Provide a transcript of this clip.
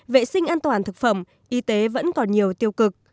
vệ sinh an toàn thực phẩm y tế vẫn còn nhiều tiêu cực